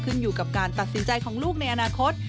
อยู่กับการตัดสินใจของลูกในอนาคต